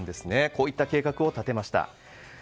こういった計画を立てました。